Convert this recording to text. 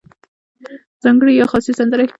ځانګړې یا خاصې سندرې